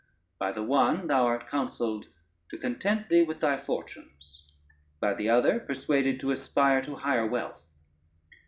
By the one thou art counselled to content thee with thy fortunes, by the other persuaded to aspire to higher wealth.